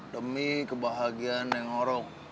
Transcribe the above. demi kebahagiaan neng orang